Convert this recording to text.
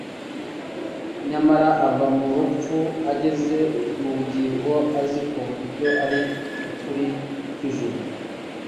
nyamara ava mu rupfu ageze mu bugingo, azi ko ibyo ari ukuri kw'ijuru.